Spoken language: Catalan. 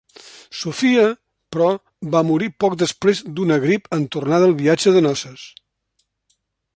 Sofia, però va morir poc després d'una grip en tornar del viatge de noces.